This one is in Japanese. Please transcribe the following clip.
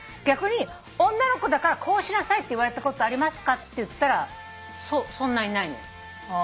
逆に「女の子だからこうしなさいって言われたことありますか」って言ったらそんないないのよ。